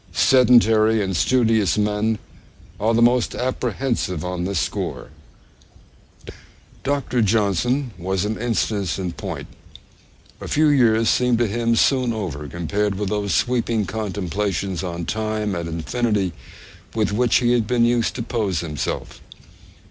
Sedentary and studious men are the most apprehensive on this score. Dr. Johnson was an instance in point. A few years seemed to him soon over, compared with those sweeping contemplations on time and infinity with which he had been used to pose himself.